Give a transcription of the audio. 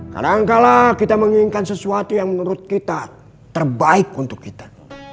kadangkala kita menginginkan sesuatu yang menurut kita terbaik untuk kita